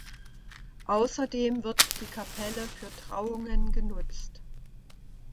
Außerdem wird die Kapelle für Trauungen genutzt.